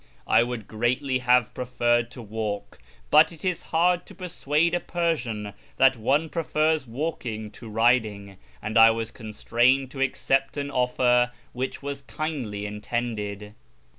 I would greatly have prel'erred to walk, but it is hard to persuade a l*ersian that one prefers walking to riding, and I was constrained to accept an offer which was kindly intended.